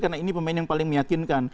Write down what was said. karena ini pemain yang paling meyakinkan